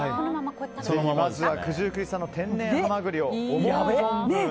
まずは九十九里産の天然ハマグリを思う存分。